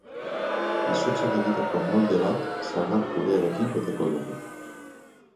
Izotzak egiteko molde bat sagar purearekin beteko dugu.